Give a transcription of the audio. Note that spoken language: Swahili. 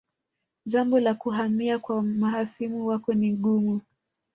Jambo la kuhamia kwa mahasimu wako ni gumu